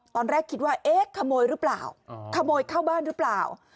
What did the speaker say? ตอนแรกคิดว่าเอ๊ะขโมยหรือเปล่าขโมยเข้าบ้านหรือเปล่า